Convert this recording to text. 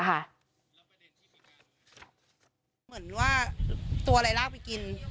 เหมือนว่าตัวอะไรลากไปกิน